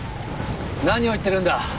何を言ってるんだ！